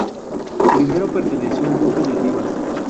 Primero perteneció al duque de Rivas.